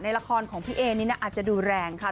ละครของพี่เอนี่อาจจะดูแรงค่ะ